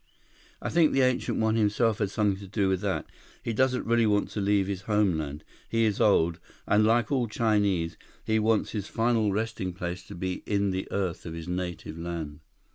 "I think the Ancient One himself had something to do with that. He doesn't really want to leave his homeland. He is old, and like all Chinese, he wants his final resting place to be in the earth of his native land."